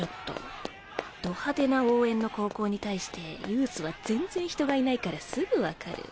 ど派手な応援の高校に対してユースは全然人がいないからすぐ分かる。